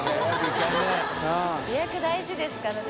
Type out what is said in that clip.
田村）予約大事ですからね。